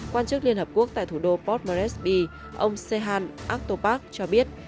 quan chức liên hợp quốc tại thủ đô port moresby ông sehan atopak cho biết